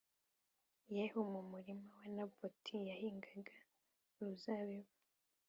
Yehu mu murima wa Naboti yahingaga uruzabibu